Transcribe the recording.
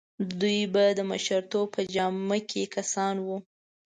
دوی به د مشرتوب په جامه کې کسان وو.